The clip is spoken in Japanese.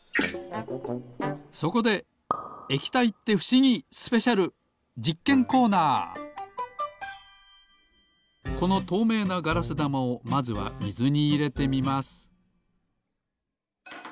そこでこのとうめいなガラスだまをまずはみずにいれてみます。